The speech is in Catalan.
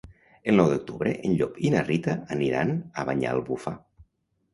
El nou d'octubre en Llop i na Rita aniran a Banyalbufar.